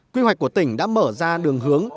quy hoạch của tỉnh đã mở ra đường hướng